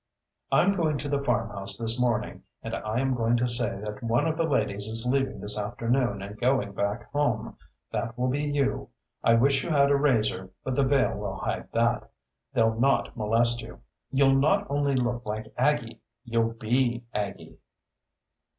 "I'm going to the farmhouse this morning and I am going to say that one of the ladies is leaving this afternoon and going back home. That will be you. I wish you had a razor, but the veil will hide that. They'll not molest you. You'll not only look like Aggie you'll be Aggie."